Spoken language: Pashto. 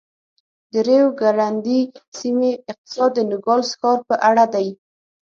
د ریو ګرنډي سیمې اقتصاد د نوګالس ښار په اړه دی.